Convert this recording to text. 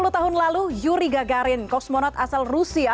enam puluh tahun lalu yuri gagarin kosmonot asal rusia